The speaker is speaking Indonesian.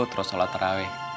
terus sholat taraweeh